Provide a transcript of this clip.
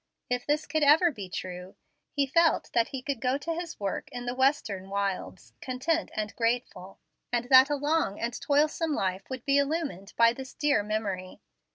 If this could ever be true, he felt that he could go to his work in the Western wilds, content and grateful, and that a long and toilsome life would be illumined by this dear memory.